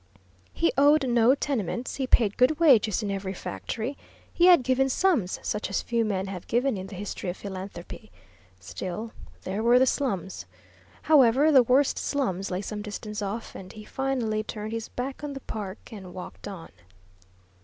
He owned no tenements; he paid good wages in every factory; he had given sums such as few men have given in the history of philanthropy. Still there were the slums. However, the worst slums lay some distance off, and he finally turned his back on the park and walked on.